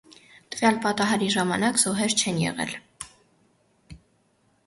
Տվյալ պատահարի ժամանակ զոհեր չեն եղել։